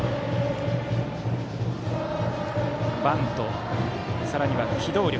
バント、さらには機動力。